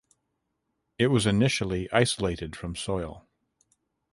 It was initially isolated from soil.